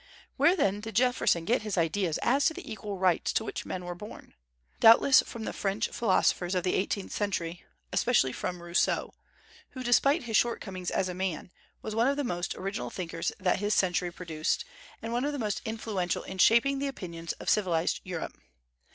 Where then did Jefferson get his ideas as to the equal rights to which men were born? Doubtless from the French philosophers of the eighteenth century, especially from Rousseau, who, despite his shortcomings as a man, was one of the most original thinkers that his century produced, and one of the most influential in shaping the opinions of civilized Europe.